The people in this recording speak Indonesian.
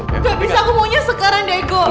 gak bisa aku maunya sekarang dego